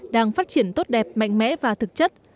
đang phát triển tốt đẹp mạnh mẽ và thực chất